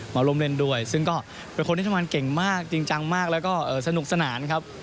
มาร่วมเล่นด้วยซึ่งก็เป็นคนที่ทำงานเก่งมากจริงจังมากแล้วก็สนุกสนานครับ